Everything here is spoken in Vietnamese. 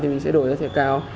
thì mình sẽ đổi ra thẻ cao